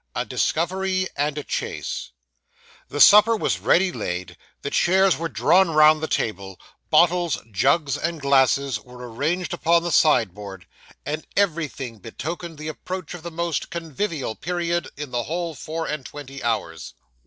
A DISCOVERY AND A CHASE The supper was ready laid, the chairs were drawn round the table, bottles, jugs, and glasses were arranged upon the sideboard, and everything betokened the approach of the most convivial period in the whole four and twenty hours.